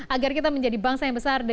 agar kita menjadi bangsa yang besar